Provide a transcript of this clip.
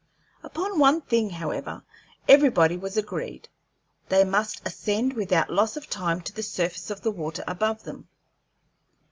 Upon one thing, however, everybody was agreed: they must ascend without loss of time to the surface of the water above them.